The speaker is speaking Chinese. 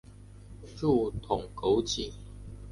柱筒枸杞为茄科枸杞属下的一个种。